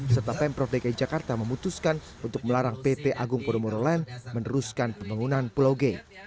serta pemprov dki jakarta memutuskan untuk melarang pt agung podomoro land meneruskan pembangunan pulau g